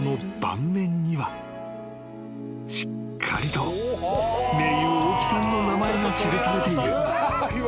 ［しっかりと盟友大木さんの名前が記されている］